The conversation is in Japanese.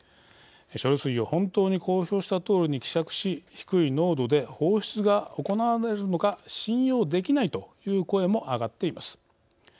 処理水を本当に公表したとおりに希釈し低い濃度で放出が行われるのか信用できないという声もあがっています。